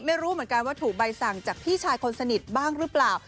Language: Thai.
ไม่รู้เหมือนกันว่าถูกใบสั่งจากพี่ชายคนสนิทบ้างหรือเปล่า